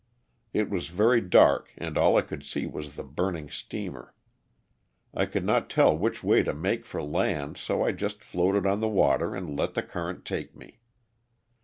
It was very dark and all I could see was the burning steamer. I could not tell which way to make for land so I just floated on the water and let the current take me.